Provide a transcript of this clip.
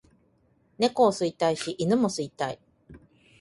猫を吸いたいし犬も吸いたい